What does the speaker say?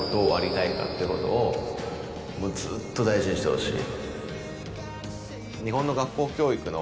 もうずっと大事にしてほしい。